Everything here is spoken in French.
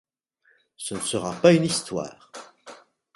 ce ne sera pas une histoire.